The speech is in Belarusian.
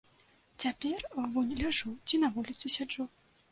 Цяпер вунь ляжу ці на вуліцы сяджу.